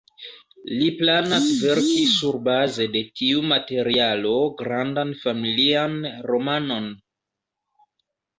Li planas verki surbaze de tiu materialo grandan familian romanon.